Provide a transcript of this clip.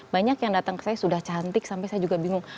banyak yang datang ke saya sudah cantik sampai saya juga bingung